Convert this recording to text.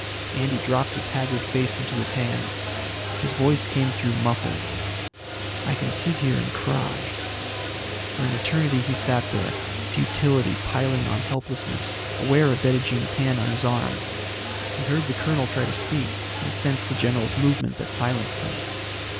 Andy dropped his haggard face into his hands. His voice came through muffled. "I can sit here and cry." For an eternity he sat there, futility piling on helplessness, aware of Bettijean's hand on his arm. He heard the colonel try to speak and sensed the general's movement that silenced him.